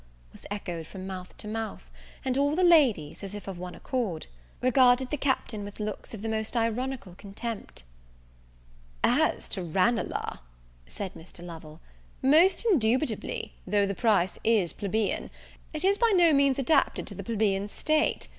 was echoed from mouth to mouth; and all the ladies, as if of one accord, regarded the Captain with looks of the most ironical contempt. "As to Ranelagh," said Mr. Lovell, "most indubitably, though the price is blebian, it is by no means adapted to the plebian taste.